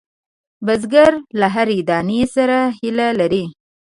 بزګر له هرې دانې سره هیله لري